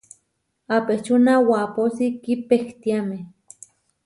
Apečúna wapósi kipehtiáme.